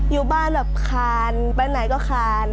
อยู่บ้านแบบคานไปไหนก็คาน